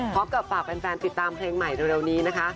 ฝากแฟนติดตามเพลงใหม่เร็วนี้นะคะ